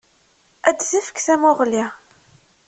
Ad tefk tamuɣli.